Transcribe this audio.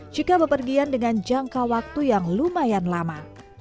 jika bepergian dengan jangka waktu yang lumayan lama